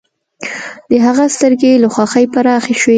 د هغه سترګې له خوښۍ پراخې شوې